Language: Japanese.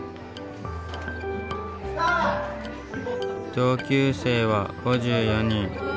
同級生は５４人。